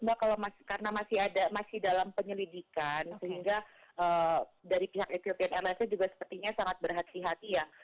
mbak karena masih ada masih dalam penyelidikan sehingga dari pihak etiopian airlines nya juga sepertinya sangat berhati hati ya